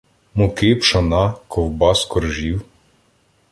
Муки, пшона, ковбас, коржів.